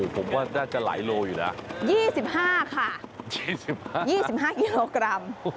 ผมว่าน่าจะหลายโลอยู่นะ๒๕ค่ะ๒๕กิโลกรัม